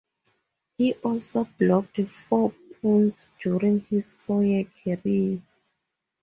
He also blocked four punts during his four-year career.